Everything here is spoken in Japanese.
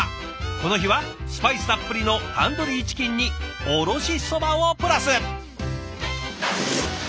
この日はスパイスたっぷりのタンドリーチキンにおろしそばをプラス。